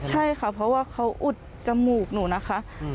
ใช่ค่ะเพราะว่าเขาอุดจมูกหนูนะคะ